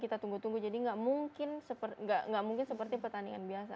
kita tunggu tunggu jadi nggak mungkin seperti pertandingan biasa